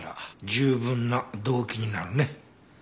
十分な動機になるね。